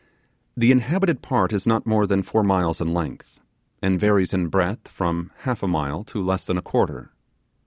The inhabited part is not more than four miles in length, and varies in breadth from half a mile to less than a quarter.